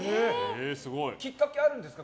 きっかけはあるんですか？